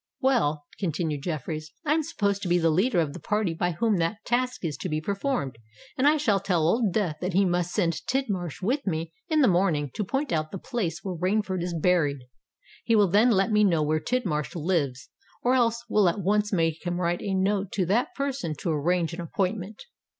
"Well," continued Jeffreys, "I am supposed to be the leader of the party by whom that task is to be performed; and I shall tell Old Death that he must send Tidmarsh with me in the morning to point out the place where Rainford is buried. He will then let me know where Tidmarsh lives; or else will at once make him write a note to that person to arrange an appointment."